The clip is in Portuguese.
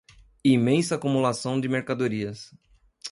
imensa acumulação de mercadorias